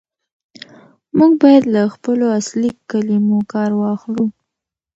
موږ بايد له خپلو اصلي کلمو کار واخلو.